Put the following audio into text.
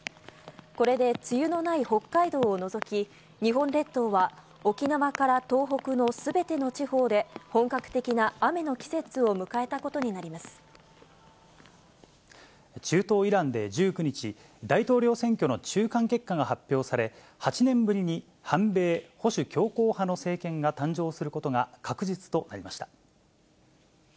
これで梅雨のない北海道を除き、日本列島は、沖縄から東北のすべての地方で本格的な雨の季節を迎えたことにな中東イランで１９日、大統領選挙の中間結果が発表され、８年ぶりに、反米・保守強硬派の政権が誕生することが確実となりました。